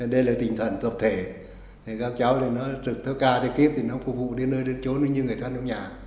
đây là tình thần tập thể các cháu trực thơ ca trực tiếp thì nó phục vụ đến nơi đến chỗ như người thân trong nhà